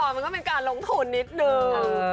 มันก็เป็นการลงทุนนิดนึง